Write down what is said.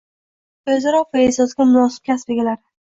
E’tirof va e’zozga munosib kasb egalari